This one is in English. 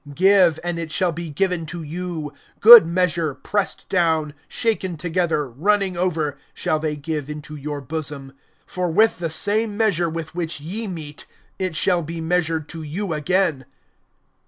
(38)Give, and it shall be given to you; good measure, pressed down, shaken together, running over, shall they give into your bosom. For with the same measure with which ye mete it shall be measured to you again.